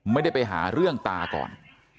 ไม่ได้ไปหาเรื่องตาก่อน